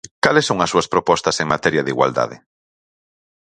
Cales son as súas propostas en materia de igualdade?